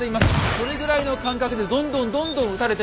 それぐらいの間隔でどんどんどんどん撃たれていく！